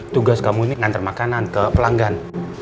tugas kamu ini ngantar makanan ke pelanggan